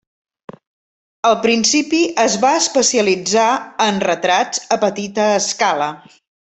Al principi es va especialitzar en retrats a petita escala.